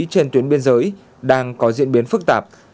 trên tuyến biên giới đang có diễn biến phức tạp